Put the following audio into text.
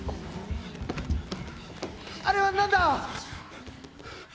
「あれは何だ！？」